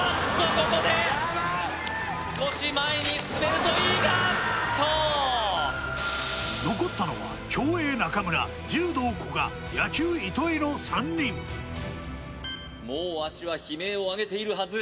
ここでやばい少し前に進めるといいがあっと残ったのは競泳・中村柔道・古賀野球・糸井の３人もう足は悲鳴を上げているはず